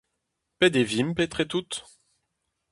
Pet e vimp etre tout ?